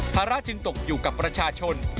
ภาระจึงตกอยู่กับประชาชน